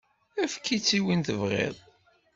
Efk-itt i win i tebɣiḍ.